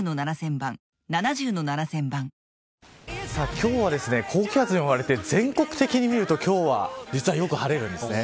今日は高気圧に覆われて全国的にみると今日は実によく晴れます。